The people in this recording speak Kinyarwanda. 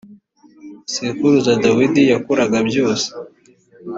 sekuruza dawidi yakoraga byose